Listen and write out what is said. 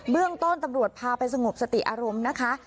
เรื่องต้นตำรวจพาไปสงบสติอารมณ์นะคะ